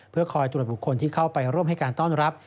เพื่อคอยตรวจบุคคลที่เข้าไปร่วมให้การต้อนรับ